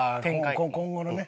今後のね。